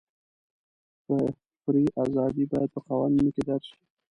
فري ازادۍ باید په قوانینو کې درج شي.